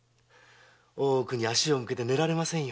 大奥に足を向けて寝られませんよ。